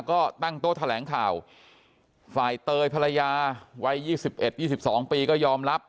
ก็ตั้งโต๊ะแถลงข่าวฝ่ายเตยภรรยาวัย๒๑๒๒ปีก็ยอมรับ